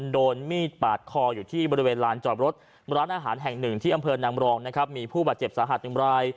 ตำรวจสอพรนางมรองจังหวัดบูรีลำนะฮะ